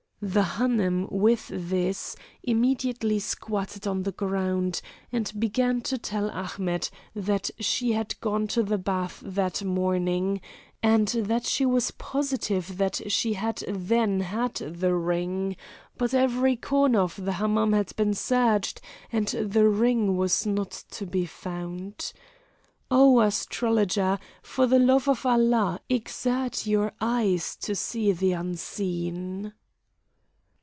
The Hanoum, with this, immediately squatted on the ground, and began to tell Ahmet that she had gone to the bath that morning and that she was positive that she then had the ring, but every corner of the Hamam had been searched, and the ring was not to be found. "Oh! astrologer, for the love of Allah, exert your eye to see the unseen."